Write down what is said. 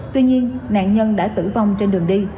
tuy nhiên nạn nhân đã tử vong trên đường đi